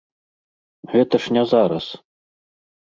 Гэта ж не зараз.